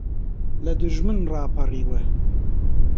لە دوژمن ڕاپەڕیوە